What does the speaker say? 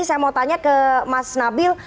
saya mau tanya ke mas nabil